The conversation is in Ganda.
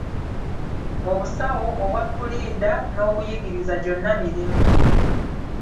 Obusawo, obwapulida, n'obuyigiriza, gyonna mirimu.